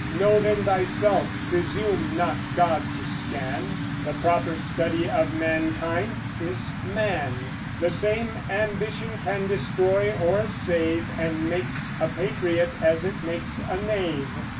Know then thyself, presume not God to scan; The proper study of Mankind is Man. The same ambition can destroy or save, And makes a patriot as it makes a knave.